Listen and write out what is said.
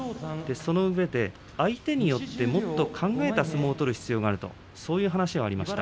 そのうえで、相手によって考えた相撲を取る必要があるという話をしていました。